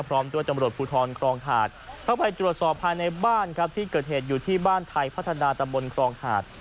พร้อมด้วยตำรวจภูทรครองหาดเข้าไปตรวจสอบภายในบ้านครับที่เกิดเหตุอยู่ที่บ้านไทยพัฒนาตำบลครองหาด